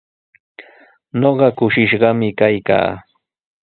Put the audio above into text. Ñuqa kushishqami kaykaa.